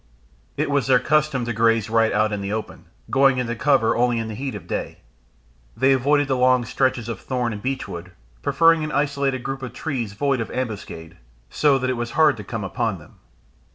It was their custom to graze right out in the open, going into cover only in the heat of the day. They avoided the long stretches of thorn and beechwood, preferring an isolated group of trees void of ambuscade, so that it was hard to come upon them.